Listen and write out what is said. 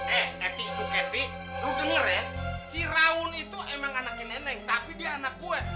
eh eti cuketi lo denger ya si raun itu emang anaknya nenek tapi dia anak gue